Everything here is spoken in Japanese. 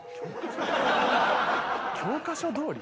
「教科書どおり」？